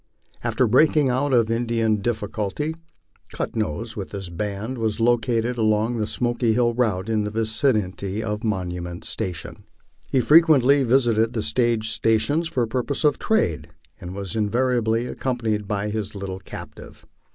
At the breaking out of the Indian difficulty " Cut Nose " with his band was located along the Smoky Hill route in the vicinity of Monument Station. He frequently visited the stage stations for purposes of trade, and was invari ably accompanied by his little captive.